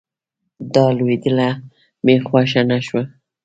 دا لوبډله مې خوښه نه شوه